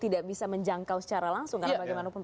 tidak bisa menjangkau secara langsung karena bagaimanapun